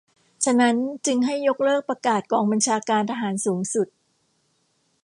ฉะนั้น จึงให้ยกเลิกประกาศกองบัญชาการทหารสูงสุด